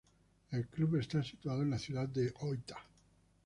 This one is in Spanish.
El club está situado en la ciudad de Ōita.